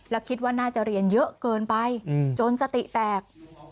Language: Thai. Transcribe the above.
และคิดว่าน่าจะเรียนเยอะเกินไปจนสติแตก